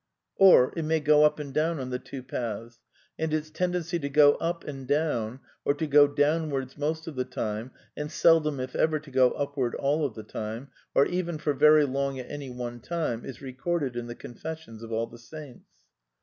Or it may go up and down on the two paths. And its tendency to go. up and down, or to go downwards most of the time, and seldom if ever to go upward all the time, or even for very long at any one time, is recorded in the confessions of all the saints.